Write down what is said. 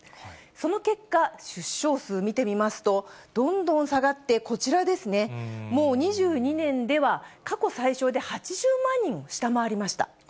その結果、出生数見てみますと、どんどん下がって、こちらですね、もう２２年では、過去最少で８０万人を下回りました。